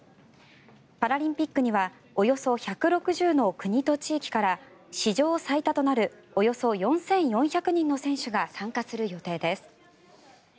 パラリンピックにはおよそ１６０の国と地域から史上最多となるおよそ４４００人の選手が参加する予定です。